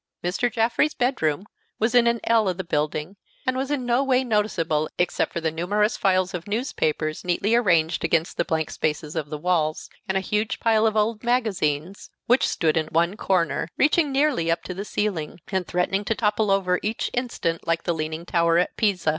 Mr. Jaffrey's bedroom was in an L of the building, and was in no way noticeable except for the numerous files of newspapers neatly arranged against the blank spaces of the walls, and a huge pile of old magazines which stood in one corner, reaching nearly up to the ceiling, and threatening to topple over each instant, like the Leaning Tower at Pisa.